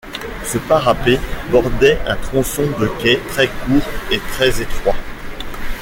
Ce parapet bordait un tronçon de quai très court et très étroit.